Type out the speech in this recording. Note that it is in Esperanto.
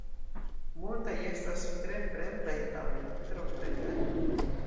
Multaj estas tre fremdaj tamen, tro fremdaj.